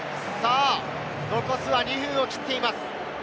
残すは２分を切っています。